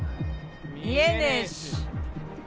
見えねぇし。